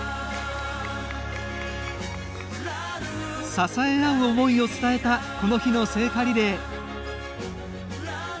支え合う思いを伝えたこの日の聖火リレー。